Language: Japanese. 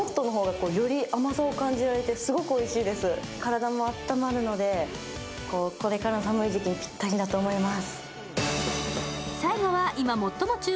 体もあったまるので、これからの寒い時期にピッタリだと思います。